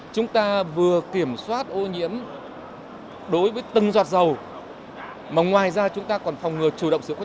chúng ta vừa kiểm soát ô nhiễm đối với từng giọt dầu mà ngoài ra chúng ta còn phòng ngừa chủ động sửa quyết